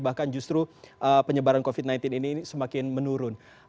bahkan justru penyebaran covid sembilan belas ini semakin menurun